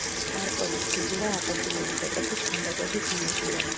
მარკოზის ფიგურა აღორძინების ეპოქის ქანდაკების ნიმუშია.